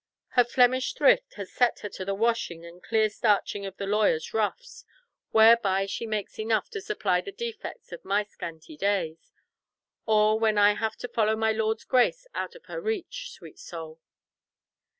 Her Flemish thrift has set her to the washing and clear starching of the lawyers' ruffs, whereby she makes enough to supply the defects of my scanty days, or when I have to follow my lord's grace out of her reach, sweet soul.